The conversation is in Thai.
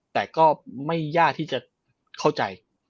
แต่ก็ไม่ยากที่จะเข้าใจ